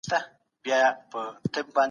راځئ چي د مطالعې دود عام کړو.